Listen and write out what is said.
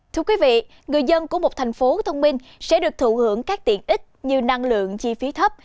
thưa quý vị người dân của một thành phố thông minh sẽ được thụ hưởng các tiện ích như năng lượng chi phí thấp